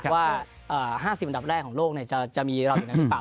ว่า๕๐อันดับแรกของโลกจะมีเราอยู่ในนั้นหรือเปล่า